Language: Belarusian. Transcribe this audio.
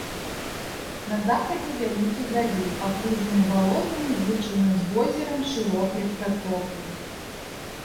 На захадзе вялікі заліў, акружаны балотам і злучаны з возерам шырокай пратокай.